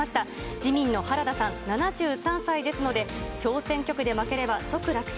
自民の原田さん、７３歳ですので、小選挙区で負ければ即落選。